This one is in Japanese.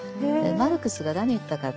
マルクスが何言ったか。